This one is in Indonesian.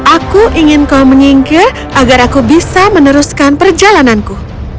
aku ingin kau menyingkir agar aku bisa meneruskan perjalananku